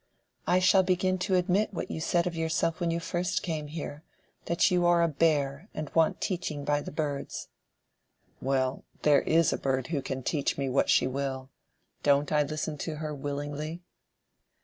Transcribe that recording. "I shall begin to admit what you said of yourself when you first came here—that you are a bear, and want teaching by the birds." "Well, there is a bird who can teach me what she will. Don't I listen to her willingly?"